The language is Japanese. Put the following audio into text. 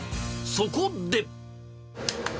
そこで。